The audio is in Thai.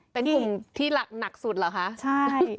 เป็นกลุ่มที่หนักสุดเหรอคะใช่